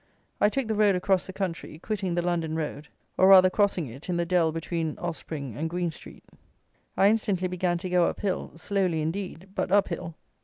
I took the road across the country, quitting the London road, or rather, crossing it, in the dell, between Ospringe and Green street. I instantly began to go up hill, slowly, indeed; but up hill.